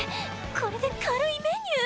これで軽いメニュー！？